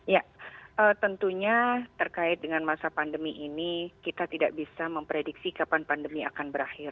ya tentunya terkait dengan masa pandemi ini kita tidak bisa memprediksi kapan pandemi akan berakhir